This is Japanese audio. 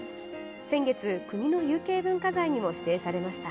先月、国の有形文化財にも指定されました。